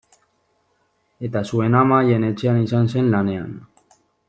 Eta zuen ama haien etxean izan zen lanean.